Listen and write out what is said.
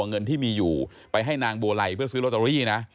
เงินที่มีอยู่ไปให้นางบัวไลเพื่อซื้อลอตเตอรี่นะ